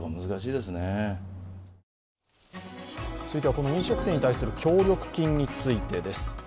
続いては飲食店の対する協力金についてです。